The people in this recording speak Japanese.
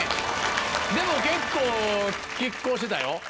でも結構拮抗してたよ。